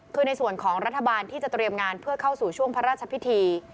คือในส่วนของรัฐบาลที่จะเตรียมงานเพื่อเข้าสู่ช่วงพระราชพิธี